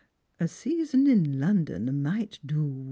A season in London might do wonders."